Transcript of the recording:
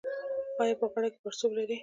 ایا په غاړه کې پړسوب لرئ؟